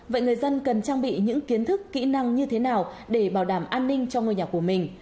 vậy người dân cần trang bị những kiến thức kỹ năng như thế nào để bảo đảm an ninh cho ngôi nhà của mình